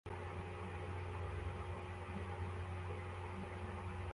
Umugabo ufite ibirahure nishati yicyatsi afashe kurukuta